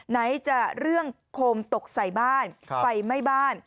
ไหนจะเรื่องโคมตกใส่บ้านไฟไหม้บ้าน